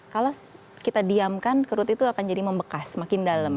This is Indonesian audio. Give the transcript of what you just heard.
kalau kita diamkan kerut itu akan jadi membekas makin dalam